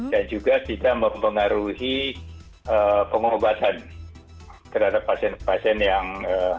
dan juga tidak mempengaruhi pengobatan terhadap pasien pasien yang